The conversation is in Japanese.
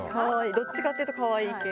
どっちかっていうとかわいい系。